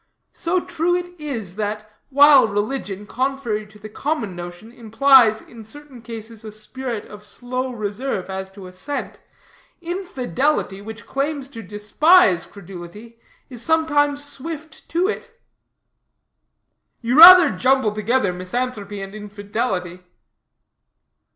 So true is it that, while religion, contrary to the common notion, implies, in certain cases, a spirit of slow reserve as to assent, infidelity, which claims to despise credulity, is sometimes swift to it." "You rather jumble together misanthropy and infidelity."